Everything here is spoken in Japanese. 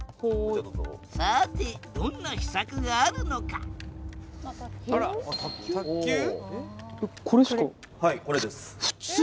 さてどんな秘策があるのかはいこれです。